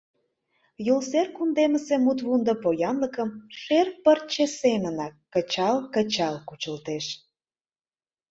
Юл сер кундемысе мутвундо поянлыкым шер пырче семынак кычал-кычал кучылтеш.